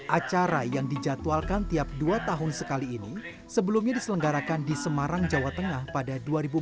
acara yang dijadwalkan tiap dua tahun sekali ini sebelumnya diselenggarakan di semarang jawa tengah pada dua ribu empat belas